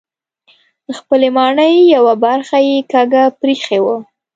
خپلې ماڼۍ یوه برخه یې کږه پرېښې وه.